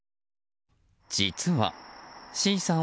実は、Ｃさん